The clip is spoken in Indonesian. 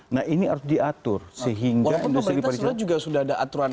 nah ini harus diatur sehingga industri pariwisata